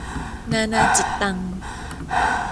นานาจิตตัง